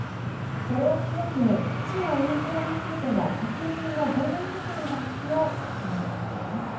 これを契機に知のインフラについての国民の合意作りが必要とコメントしています。